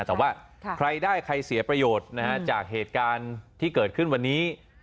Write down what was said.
แต่ว่าใครได้ใครเสียประโยชน์จากเหตุการณ์ที่เกิดขึ้นวันนี้